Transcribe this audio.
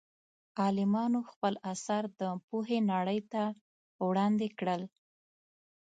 عالمانو خپل اثار د پوهې نړۍ ته وړاندې کړل.